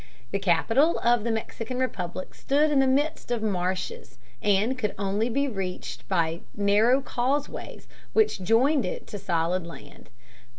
The capital of the Mexican Republic stood in the midst of marshes, and could be reached only over narrow causeways which joined it to the solid land.